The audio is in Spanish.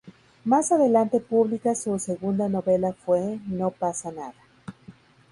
Más adelante publica su segunda novela fue "No pasa nada.